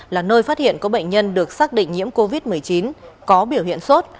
là nơi phát hiện có bệnh nhân được xác định nhiễm covid một mươi chín có biểu hiện sốt